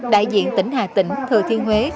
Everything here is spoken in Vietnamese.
đại diện tỉnh hà tĩnh thừa thiên huế